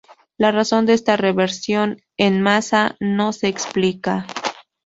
La razón de esta reversión en masa no se explica.